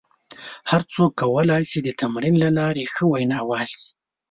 هر څوک کولای شي د تمرین له لارې ښه ویناوال شي.